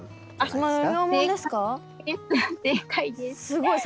すごい。